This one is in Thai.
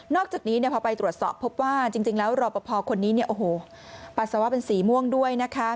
นอกจากนี้พอไปตรวจสอบพบว่าจริงแล้วรอบพอคนนี้ปราสาวะเป็นสีม่วงด้วยนะคะ